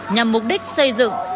nhằm mục đích xây dựng